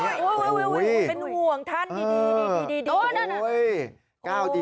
นี่จังหวะนี้